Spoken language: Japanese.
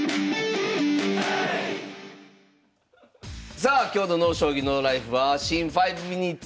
さあ今日の「ＮＯ将棋ＮＯＬＩＦＥ」は新「５ｍｉｎｕｔｅｓ」